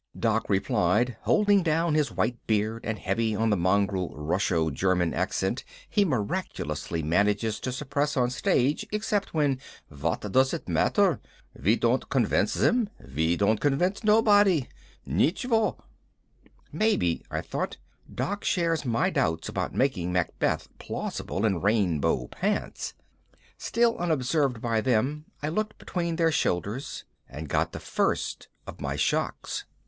Doc replied, holding down his white beard and heavy on the mongrel Russo German accent he miraculously manages to suppress on stage except when "Vot does it matter? Ve don't convinze zem, ve don't convinze nobody. Nichevo." Maybe, I thought, Doc shares my doubts about making Macbeth plausible in rainbow pants. Still unobserved by them, I looked between their shoulders and got the first of my shocks.